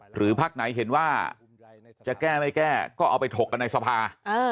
พักไหนเห็นว่าจะแก้ไม่แก้ก็เอาไปถกกันในสภา